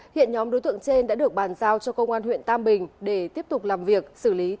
hiện nhóm đối tượng trên đã được bàn giao cho công an huyện tam bình để tiếp tục làm việc xử lý theo quy định